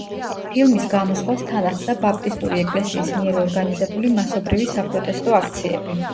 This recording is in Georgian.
ფილმის გამოსვლას თან ახლდა ბაპტისტური ეკლესიის მიერ ორგანიზებული მასობრივი საპროტესტო აქციები.